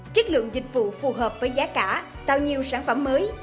chất lượng dịch vụ phù hợp với giá cả tạo nhiều sản phẩm mới